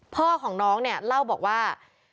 พ่อของน้องเนี่ยเล่าบอกว่า